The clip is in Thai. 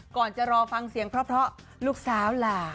ก่อนจะรอฟังเสียงเพราะลูกสาวหลา